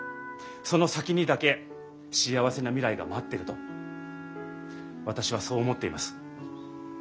その先にだけ幸せな未来が待ってると私はそう思っています。